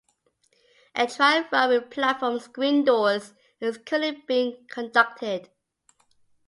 A trial run with platform screen doors is currently being conducted.